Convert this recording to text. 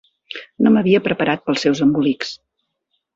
No m'havia preparat per als seus embolics.